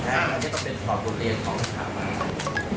แค่นั้นแล้วก็ต้องพูดว่าคุณไม่ได้มาเล่น